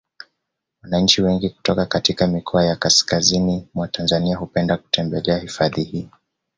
Wananchi wengi kutoka katika mikoa ya kaskazini mwa Tanzania hupenda kutembelea hifadhi hii